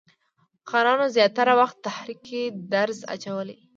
خانانو زیاتره وخت تحریک کې درز اچولی.